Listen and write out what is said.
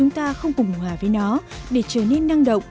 nó trở về với nó